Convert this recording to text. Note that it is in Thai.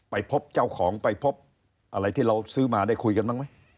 ไปพบเจ้าของไปพบอะไรที่เราซื้อมาได้คุยกันบ้างไหม